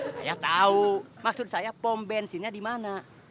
saya tahu maksud saya pom bensinnya di mana